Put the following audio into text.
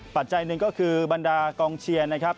ปัจจัยหนึ่งก็คือบรรดากองเชียร์นะครับ